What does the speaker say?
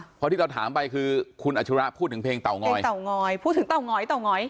เพราะที่เราถามไปคือคุณอัชระพูดถึงเพลงเตางอยเพลงเตางอยพูดถึงเตาหงอยเต่างอย